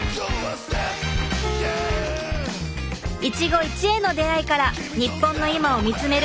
一期一会の出会いから日本の今を見つめるひむバス！